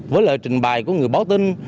với lời trình bày của người báo tin